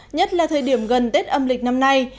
nhất là thời điểm gần tết âm lịch năm nay